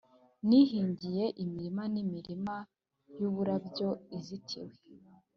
nihingiye imirima n imirima y uburabyo izitiwe